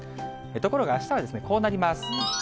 ところがあしたはこうなります。